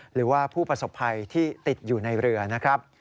หรือว่าผู้ประสบภัยที่ติดอยู่ในเรือนะครับ